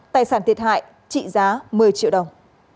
tài sản thiệt hại trị giá một mươi triệu đồng